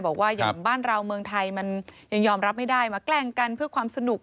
บอกว่าอย่างบ้านเราเมืองไทยมันยังยอมรับไม่ได้มาแกล้งกันเพื่อความสนุก